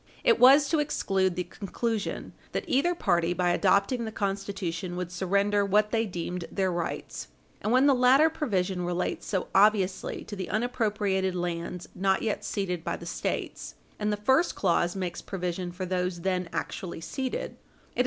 It was to exclude the conclusion that either party, by adopting the Constitution, would surrender what they deemed their rights. And when the latter provision relates so obviously to the unappropriated lands not yet ceded by the States, and the first clause makes provision for those then actually ceded, it is Page 60 U. S.